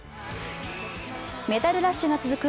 メダルラッシュが続く